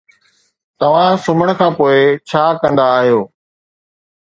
توهان سمهڻ کان پوء ڇا ڪندا آهيو؟